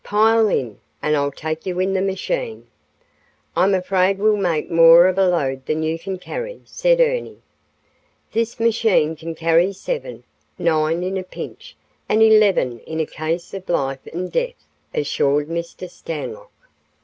Pile in and I'll take you in the machine." "I'm afraid we'll make more of a load than you can carry," said Ernie. "This machine can carry seven, nine in a pinch, and eleven in a case of life and death," assured Mr. Stanlock.